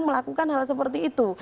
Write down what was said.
melakukan hal seperti itu